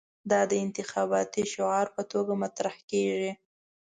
دا د انتخاباتي شعار په توګه مطرح کېږي.